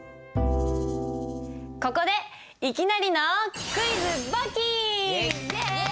ここでいきなりのイエイ！